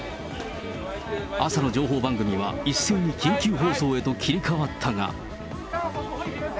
朝の情報番組は一斉に緊急放送へと切り替わったが。